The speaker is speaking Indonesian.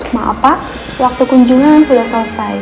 maaf pak waktu kunjungan sudah selesai